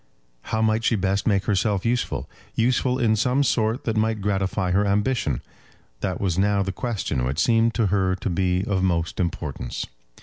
How might she best make herself useful, useful in some sort that might gratify her ambition; that was now the question which seemed to her to be of most importance.